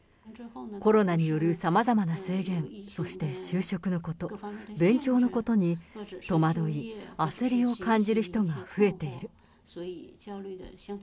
コロナによるさまざまな制限、そして就職のこと、勉強のことに戸惑い、焦りを感じる人が増えている。